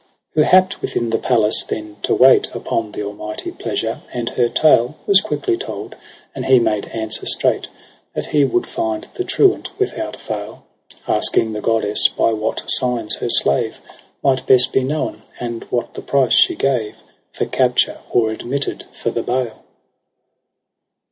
l^^ EROS (S PSYCHE 9 Who happ'd within the palace then to wait Upon the almighty pleasure ; and her tale Was quickly told, and he made answer straight That he would find the truant without fail j Asking the goddess by what signs her slave Might best be known, and what the price she gave For capture, or admitted for the bail.